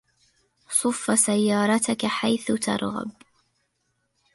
صف سيارتك حيث ترغب.